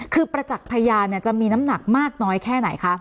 คือประจักษ์พยานจะมีน้ำหนักมากน้อยแค่ไหนคะ